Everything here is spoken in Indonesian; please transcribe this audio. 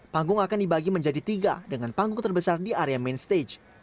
panggung akan dibagi menjadi tiga dengan panggung terbesar di area main stage